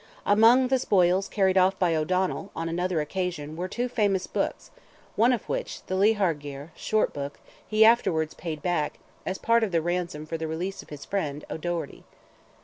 Among the spoils carried off by O'Donnell, on another occasion, were two famous books—one of which, the Leahar Gear (Short Book), he afterwards paid back, as part of the ransom for the release of his friend, O'Doherty.